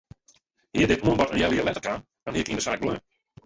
Hie dit oanbod in healjier letter kaam dan hie ik yn de saak bleaun.